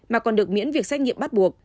mà còn được miễn việc xét nghiệm bắt buộc